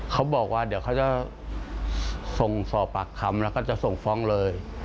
เขาบอกว่าเดี๋ยวเขาจะส่งสอบปากคำแล้วก็จะส่งฟ้องเลย